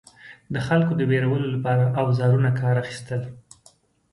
د خلکو د ویرولو لپاره اوزارو کار اخیستل.